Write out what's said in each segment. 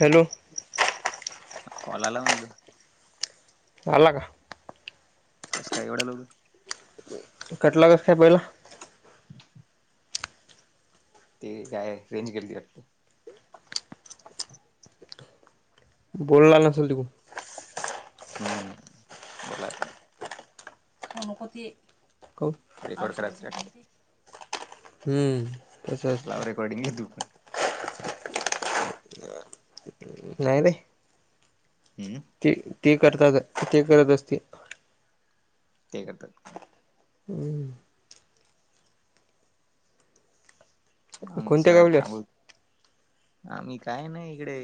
Hello call आला म्हणलं. झाला का? तसं काय एवढ्या लवकर? कटला [unintelligible] बरं. ते गाय रेंज गेली वाटतयं. बोलला नसल. [unintelligible] हम्म बोला. नको ते कव रेकॉर्ड करायच वाटतं औषधाचे हम्म. तसं लाव असतं रेकॉडिंगला तू पण. नाय रे. हम्म. ते ते करतात आहे, ते करत असतील. ते करतात. हम्म. आन कोणत्या सर गावल्यास अंगोळ आम्ही काय ना इकडे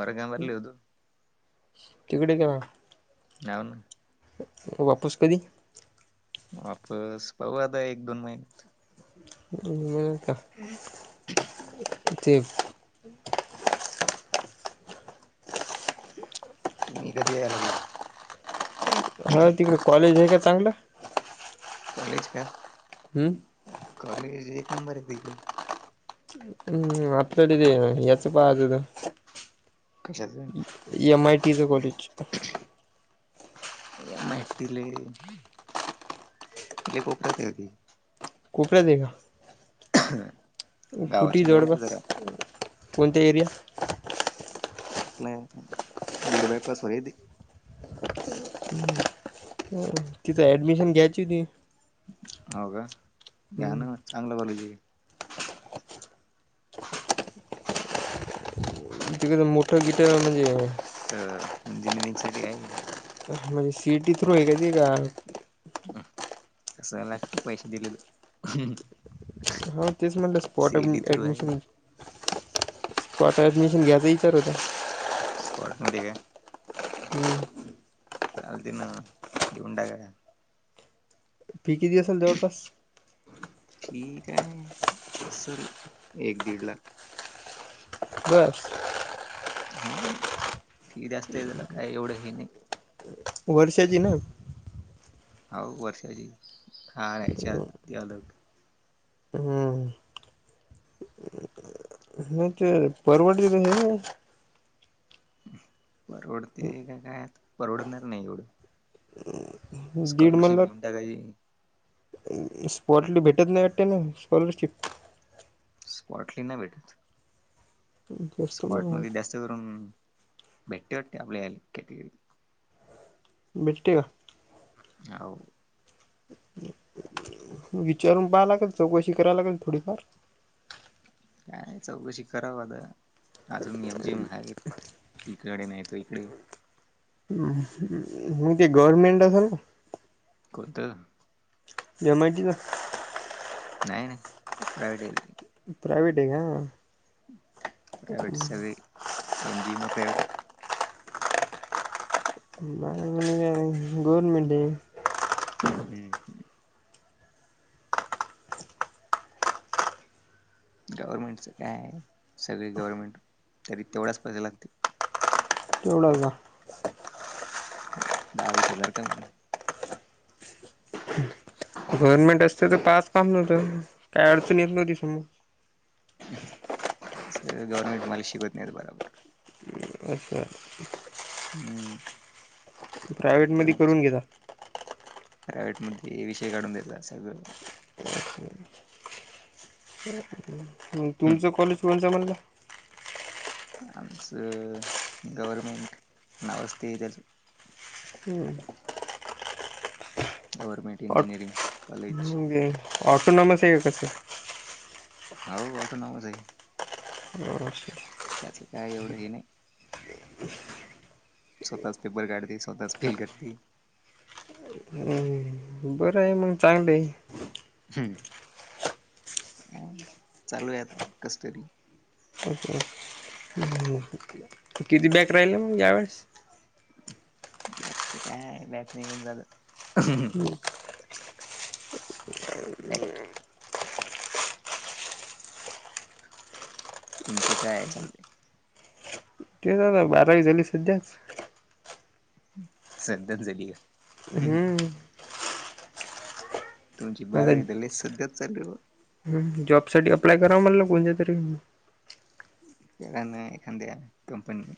औरंगाबादला होतो. तिकडे केव्हा? नावना वापस कधी? वापस पाहू आता एक-दोन महिन्यात. म का ह् ते तुम्ही कधी याय लागले? हा तिकडे कॉलेज आहे का चांगला? कॉलेज का? हम्म. अरे कॉलेज एक नंबर आहेत इकडे. हम्म आता तिथे येणार यायचा पाहात होतं. कशाला एम आय टी चा कॉलेज. एम आय टी लय कोपऱ्यात येते. कोपऱ्यात आहे का? ह कुटी जवळपास कोणत्या एरिया? नाय आता बीडबॅग पास. [unintelligible] तिथे ॲडमिशन घ्यायची होती? हाव का या ना चांगला कॉलेज आहे. ते कसं मोठं [unintelligible] म्हणजे हाय. तर इंजिअरिंगसाठी आहे? म्हणजे सि टी थ्रू आहे का ते का? कशा लागती पैशे दिलेत. हो तेच म्हटलं स्पॉटम थ्रू आहे ऍडमिशन स्पॉट ऍडमिशन घ्यायचं विचार होता. स्पॉट मध्ये काय? हम्म. चालते ना घेऊन टाका. पी के जी असल जवळपास? पी काय असल एक दीड लाख. बघ हा हो फी जास्त आहे जरा काय एवढं हे नाय. वर्षाजी ना. हाव वर्षाची खा राहायची आ ती अलग हम्म. हम्म ते परवडी. [unintelligible] परवडते का काय परवडणार नाही एवढं. दीड स्कॉलरशिप घेऊन टाकायची. स्पोर्टली भेटत नाही वाटतं म स्कॉलरशिप. स्पॉटली नाही भेटत जास्त स्पॉट मग मध्ये जास् त करून भेटते वाटतं आपल्याली कॅटेगरी. भेटते का? हाव. विचारून पाहा लागेल चौकशी करा लागेल थोडीफार. काय चौकशी कराव आता अजून एम जी महाग आहेत. तिकडे नाही तो इकडे. असं हम्म ते गव्हर्नमेंट असल ना. कोणतं एम आय टी चा नाय-नाय प्रायव्हेट आहे ते. प्रायव्हेट आहे का? प्रायव्हेटस सगळे एम जी म प्रायव्हेट आहे. मला [unintelligible] गवर्नमेंट आहे. हम्म. गव्हर्नमेंटचा काय आहे सगळे गव्हर्नमेंट तरी तेवढाच पैशे लागते. तेवढा का? दहा-वीस हजार कमी. गव्हर्नमेंट असते तर पास काम नव्हतं काय अडचणी येत नव्हती समोर. तसं गव्हर्नमेंट मला शिकवत नाहीत बरोबर. अच्छा हम्म. प्रायव्हेट मध्ये करून घे जा. प्रायव्हेटमध्ये विषय काढून देतात सगळं. मंग तुमचं कॉलेज कोणचा म्हणलं? आमचं गवर्नमेंट नावचं ते त्याचा. हम्म. Government engineering college. [unintelligible] ऑटोनामस आहे कसं? हाऊ ऑटोनोमस आहे. अच्छा त्याचं काय एवढं हे नाही. स्वतःच पेपर, काढते स्वतःच फेल करते. हम्म बरं आहे मग चांगलं आहे. हम्म, चालू आहे आता कसं तरी. ओके. [unintelligible] किती बॅट राहिले मग यावेेळेस? बॅकचा काय बॅक निघून झालं. बॅक तुमचं काय चालु हाय? ते जरा बारावी झाली सध्याच सध्याच झालीया. हम्म. तुमची बारावी तर लय सध्यात चाल्ली हो. हम्म जॉब साठी अप्लाय करा म्हणलं कोणच्या तरी. [unintelligible] ना एखाद्या कंपनी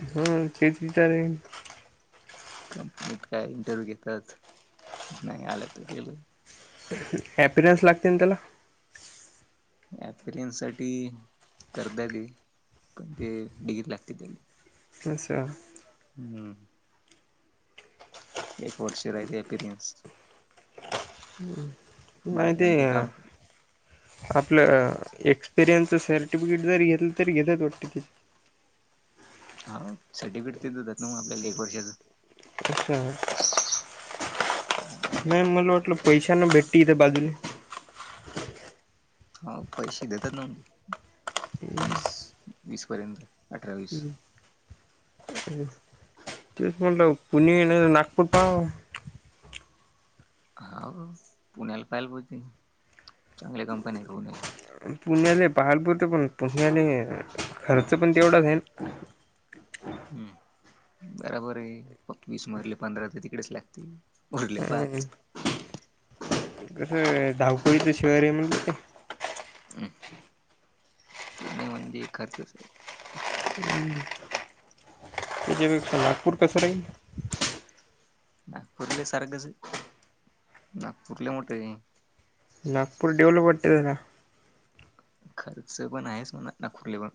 हम्म तेच विचार आहे. कंपनीत काय इंटरव्यू घेतात, ‌ नाही आला तर गेलं. ॲपिरन्स लागते ना त्याला. ऍपिरियन्ससाठी करदा डे कारण ते डिग्री लागती तेले. अच्छा. हम्म. एक वर्ष राहिले अपिरियन्स. हम्म नाही बारा ते घंटे काम आपलं एक्सपिरियन्सच सर्टिफिकेट जरी घेतलं तरी घेतायत वाटतं ते. हा सर्टिफिकेट ते देतायेत ना मग आपल्याला एक वर्षाचं. ‌ [unintelligible] नाही मला वाटलं पैसान भेटीती इथे बाजूले. आहो पैसे देतात नव्ह ते. वीस वीस पर्यंत अठरा वीस. हम्म. तेच म्हणलं पुणे नाहीतर नागपूर पाहू. हा पुण्याला पाहिलं बोलतोय, चांगल्या कंपनी आहेत पुण्याला. पुण्याले पाहिल बोलतोय, पण पुण्याला खर्च पण तेवढाच आहे ना. हम्म बराबर आहे. वीस मधले पंधरा तर तिकडेच लागतील. उरले हम्म पाच कसं धावपळीच शहर आहे म्हणलं ते. हम्म पुणे म्हणजे खर्चच आहे. हम्म तेज्यापेक्षा नागपूर कस राहिल? नागपूरला हि सारखच आहे नागपूर लय मोठं हंय. नागपूर डेवलप वाटते जरा. खर्च पण आहेच म्हणा नागपुरेले पण.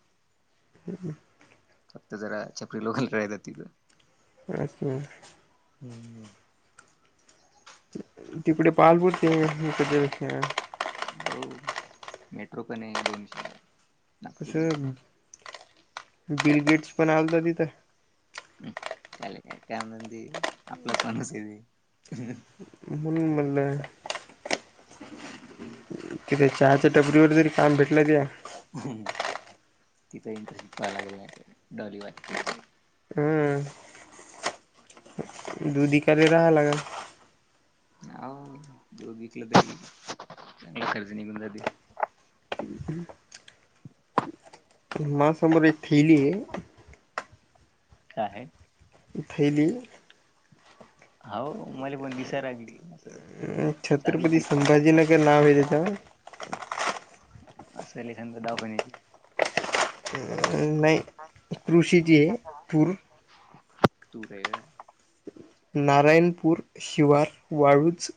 हम्म. फक्त जरा छपरी लोक राहतात तिकडं. असणार. हम्म. तिकडे पालपुरते [unintelligible] हो मेट्रो पण आहे दोन शहरात नागपूरला कसं बिल गेट्स पनण आलता तिथं. त्याला काय कामधंदे आपलाच माणुसं आहेे [unintelligible] म्हणून म्हणलं. तिथे चाहाच्या टपरीवर जरी काम भेटलं त्या तिथं इंटरव्ह्यू पहाय लागेल नाही तर डॉलीभाईंकड. हम्म. दूध ईकायले रहाय लागन‌. हो दूध विकलं तरी चांगला खर्च निघून जातील. माझ्या समोर ‌एक थैली हे काय आहे? थैली हाव मले पण दिसाय लागली. असं अं चांगली छत्रपती संभाजी नगर नाव हे तेचा. असंल एखानद्या दवाखान्याची. नाही कृषीची आहे पूर तू रेहर नारायणपूर शिवार वाळूज,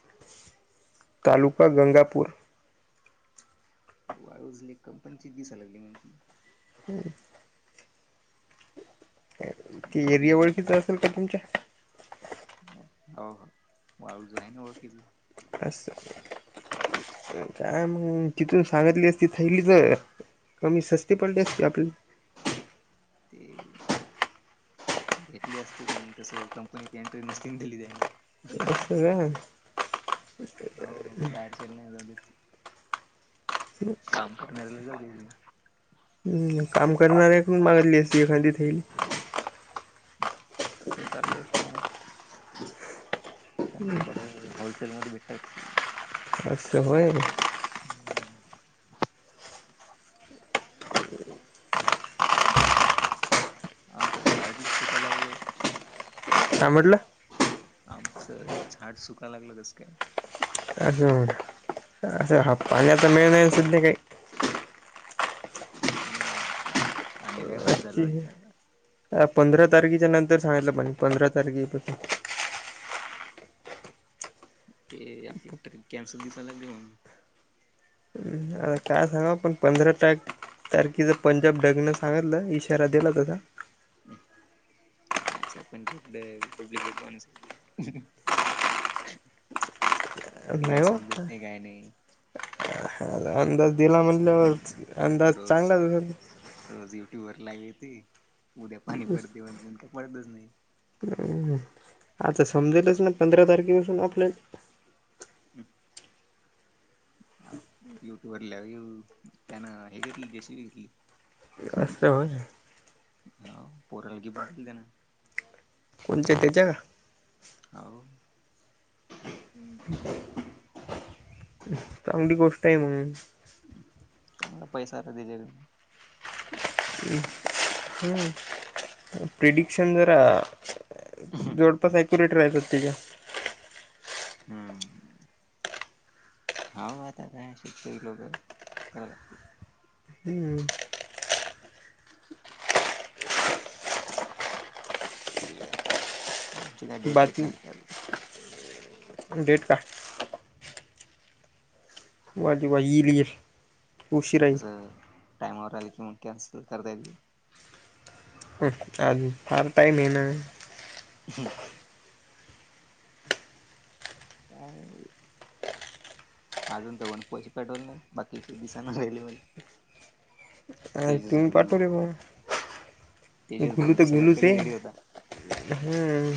तालुका गंगापूर. वाळूजले कंपनीची दिसाय लागली म्हण ती. हम्म. ती एरिया बियाणे ओळखीचं असेल का तुमच्या? ओ हो [unintelligible] ज आहे न ओळखीचा. असं काय मग तिथू सांगितली असती थैली जर. कमी सस्ती पडली असती आपली. ते घेतली असती पण, कसं कंपनीत एंट्री नसती दिली त्यान. [unintelligible] अहो बाहेरचेल नाही जाऊ देत ते. काम करणाऱ्याला जाऊ [unintelligible] हम्म काम करणारे पण मागितली अस एखादी थैली. हं तसं चाललं असतं म्हणा. [inaudible] पण ते कसं होलसेलमध्ये भेटतात ती. असं होय? आमचं झाड लई सुकाय लागल हो. काय म्हटलं? आमचं झाड सुकाय लागल कसं काय? असं हो. असं हा पाण्याच्या मेळ नाही सध्या काही. तेच म्हणलं पाणी गायपच झालं आजची वाटते आता. पंधरा तारखेच्या नंतर सांगितलं म्हणे पंधरा तारखेपासून ते आपली ट्रीप कॅन्सल दिसाय लागली म्हणून. आता काय सांगाव पण पंधरा तारी तारखीचा पंजाब डकनं सांगितलं इशारा दिला तसा. कायचा पंजाब डक ड्यूप्लिकेट माणूस हाय ते. नाही हेकाय हो समजत नाही, काय नाही अंदाज दिला म्हणल्यावर रोज रोजं युट्यूबवर लाईव्ह येते. उद्या पाणी पडते म्हणत पण काय पडतच नाही. [unintelligible] आता समजेलच ना पंधरा तारखेपासून आपल्या हं हाव युट्यूबवर लाईव्ह त्यानं हे घेतलं जशी घेतली. [unintelligible] हाव पोराला गिफ्ट दिली त्यानं. कोणच्या तेच्या का? हाव. हं. चांगली गोष्ट आहे मग. चांगला पैसा हाय आता त्याच्याकडं. हं प्रिडिक्शन जरा जोडपच ऍक्युरेट राहत तेच्या. हम्म. हाव आता काय शेतकरी लोक करा हम्म. आमची काय डेट येत बाकी नाही डेट काय? ह [unintelligible] वाजी [unintelligible] लियस. कसं टाइमावर आलं की मग कॅन्सल करता येत ते. [unintelligible] पार्ट टाइम आहे ना. हम् [unintelligible] अजून दवन पैसे पाठवले नाय बाकीचे दिसेना राहिले. आणि तेजस तुम्ही गुलू पाठवले मग तेजस गुलू तर सगळ्यात गुलु पहिले सेम रेडी होता आहे. हम्म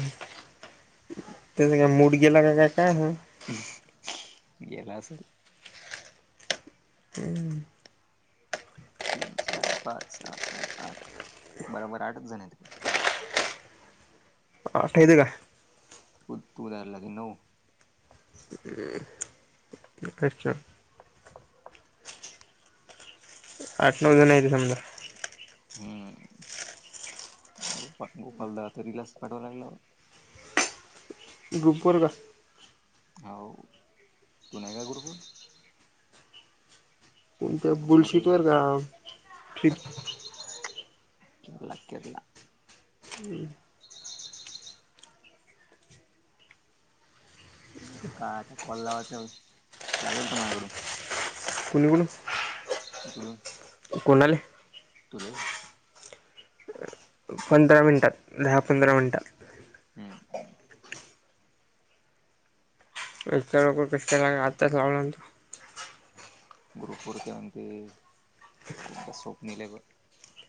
त्याचं का मुड गेलाय का काय माहित. गेला असेल. हम्म. तीन, चार, पांच, सहा, सात, आठ बराबर आठच जणे आहेत. आ ठेवले का? खूप दूर याव लागेन हो. हे एकच आठ, नऊ जण यायचे समजा. हम्म गोपा गोपालदा तर रिलास पाठव लागला हो. गुपूरगस हाव तू नाही का ग्रुपवर? कोणत्या काय ना रे बुलशीत वर गावं पित केरला केरला. हम्म. काय आता कॉल लावाचा लागेल का माझ्याकडून? कुल्ली बोलचं इकडून कोण आले? तुला ही पंधरा मिनटात दहा पंधरा मिनटात. हम्म. इतळ्या लोकं कष्ट करायला आताच लावला मी. ग्रूपवरती आणते कोणता स्वप्नील आहे बघ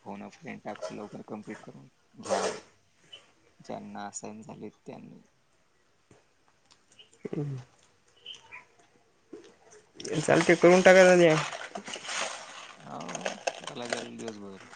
फोन अ फ्रेंड टाक्स लवकर कमप्लीट करून घ्याल ज्यांना असाईन झाली त्यांनी. हम् ते चालते करून टाका उदया. हाव करायला लागेल दिवसभर.